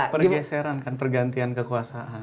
pergeseran kan pergantian kekuasaan